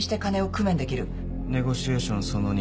「ネゴシエーションその２。